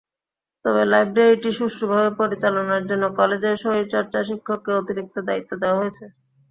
তবে লাইব্রেরিটি সুষ্ঠুভাবে পরিচালনার জন্য কলেজের শরীরচর্চা শিক্ষককে অতিরিক্ত দায়িত্ব দেওয়া হয়েছে।